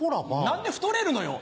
何で太れるのよ。